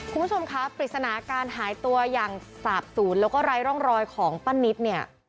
คุณผู้ชมคะปริศนาการหายตัวอย่างสาบศูนย์แล้วก็ไร้ร่องรอยของป้านิตเนี่ย